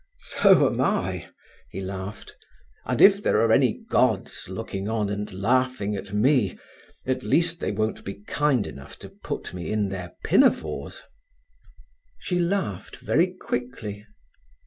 "So am I." He laughed. "And if there are any gods looking on and laughing at me, at least they won't be kind enough to put me in their pinafores…." She laughed very quickly.